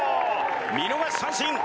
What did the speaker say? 見逃し三振。